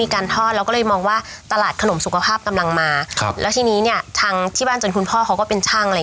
การทอดเราก็เลยมองว่าตลาดขนมสุขภาพกำลังมาครับแล้วทีนี้เนี่ยทางที่บ้านจนคุณพ่อเขาก็เป็นช่างอะไร